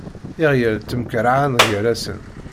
Iɣyal ttemkerrɛan gar-asen.